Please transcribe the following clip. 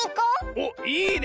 おっいいね！